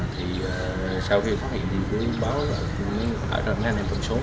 thì sau khi phát hiện thì tôi báo lại rồi nói ra cái anh em tuần xuống